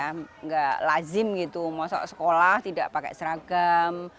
tidak lazim gitu masuk sekolah tidak pakai seragam